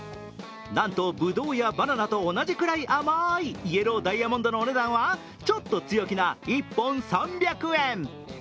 なんとぶどうやバナナと同じくらい甘いイエローダイヤモンドのお値段はちょっと強気な１本３００円。